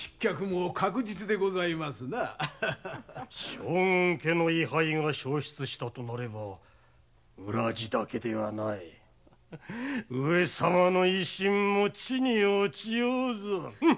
将軍家の位牌が焼失すれば浦路だけではない上様の威信も地に落ちようぞ。